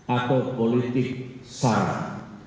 atau politik sekarang